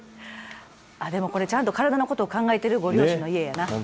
あっでもこれちゃんと体のことを考えてるご両親の家やな。